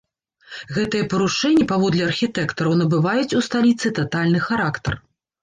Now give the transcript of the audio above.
Гэтыя парушэнні, паводле архітэктараў, набываюць у сталіцы татальны характар.